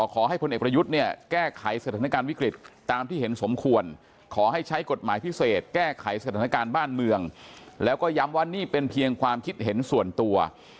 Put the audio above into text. ขอให้พลเอกประยุทธ์เนี่ยแก้ไขสถานการณ์วิกฤตตามที่เห็นสมควรขอให้ใช้กฎหมายพิเศษแก้ไขสถานการณ์บ้านเมืองแล้วก็ย้ำว่านี่เป็นเพียงความคิดเห็นส่วนตัว